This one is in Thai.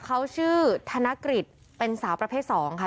เขาชื่อธนกฤษเป็นสาวประเภท๒ค่ะ